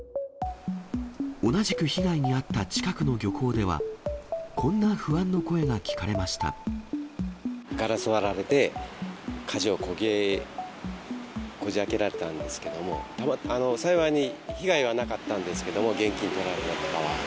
同じく被害に遭った近くの漁港では、こんな不安の声が聞かれましガラス割られて、鍵をこじあけられたんですけども、幸いに被害はなかったんですけども、現金とられたとかは。